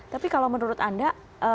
tapi kalau menurut anda